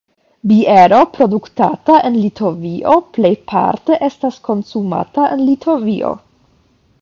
Biero produktata en Litovio plejparte estas konsumata en Litovio.